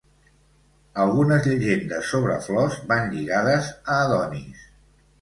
Algunes llegendes sobre flors van lligades a Adonis.